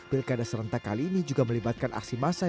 pirkada serenta kali ini juga melibatkan aksi masai